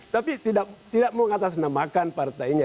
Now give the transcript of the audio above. tapi tidak mengatasnamakan partainya